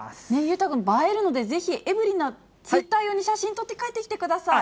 裕太君、映えるので、ぜひエブリィのツイッター用に写真撮って帰ってきてください。